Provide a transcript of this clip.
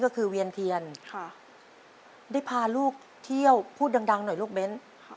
ก็คือเวียนเทียนได้พาลูกเที่ยวพูดดังหน่อยลูกเบ้น